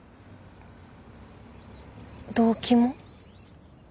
動機も？